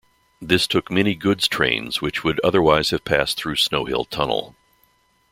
This took many goods trains which would otherwise have passed through Snow Hill tunnel.